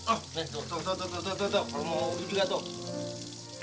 oh nih tuh tuh tuh tuh tuh tuh tuh lu mau wudhu juga tuh